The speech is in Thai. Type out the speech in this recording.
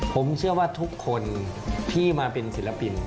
ผมเชื่อว่าทุกคนที่มาเป็นศิลปิน